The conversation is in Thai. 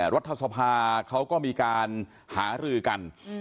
รัฐสภาเขาก็มีการหารือกัน